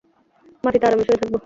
মাটিতে আরামে শুয়ে থাকব।